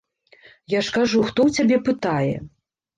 Я ж кажу, хто ў цябе пытае?